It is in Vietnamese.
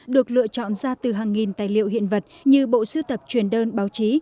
được lựa chọn ra từ hàng nghìn tài liệu hiện vật như bộ siêu tập truyền đơn báo chí